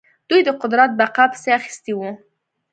دوی د قدرت بقا پسې اخیستي وو.